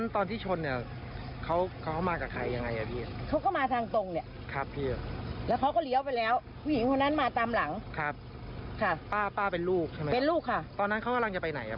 ตอนนั้นเขากำลังจะไปไหนครับพ่อเขาก็มาแผงไม้เนี่ยเขาทำงานอยู่ที่แผงไม้